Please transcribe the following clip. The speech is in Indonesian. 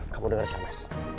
kamu denger siapa ya